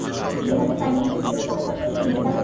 যেভাবে সাইমনকে সুযোগ থাকা স্বত্বেও সে মেরে ফেলেনি।